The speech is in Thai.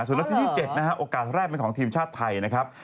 ส่วนนาทีที่๗นะครับโอกาสแรกเป็นของทีมชาติไทยนะครับ